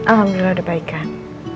alhamdulillah udah baik kak